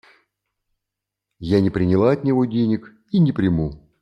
Я не приняла от него денег, и не приму.